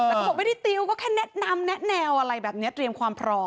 แต่เขาบอกไม่ได้ติวก็แค่แนะนำแนะแนวอะไรแบบนี้เตรียมความพร้อม